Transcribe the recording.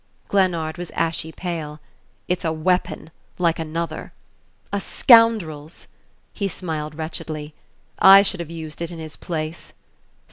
Glennard was ashy pale. "It's a weapon... like another...." "A scoundrel's!" He smiled wretchedly. "I should have used it in his place."